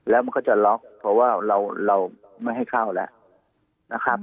แล้วมันก็จะล็อกเพราะว่าเราไม่ให้เข้าแล้วนะครับ